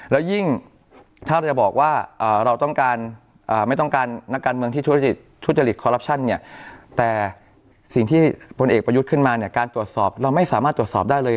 แล้วยิ่งถ้าจะบอกว่าเราต้องการไม่ต้องการนักการเมืองที่ทุจริตคอรัปชั่นเนี่ยแต่สิ่งที่พลเอกประยุทธ์ขึ้นมาเนี่ยการตรวจสอบเราไม่สามารถตรวจสอบได้เลย